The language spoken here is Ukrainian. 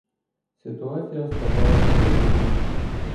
Ситуація ставала загрозливою.